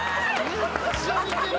・めっちゃ似てる！